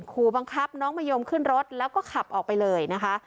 ขู่บังคับน้องมะยมขึ้นรถแล้วก็ขับออกไปเลยนะคะ